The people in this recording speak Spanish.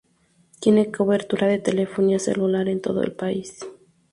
Tiene cobertura de telefonía celular en todo el país.